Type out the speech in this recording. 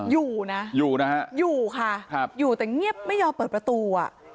อยู่นะอยู่นะฮะอยู่ค่ะครับอยู่แต่เงียบไม่ยอมเปิดประตูอ่ะ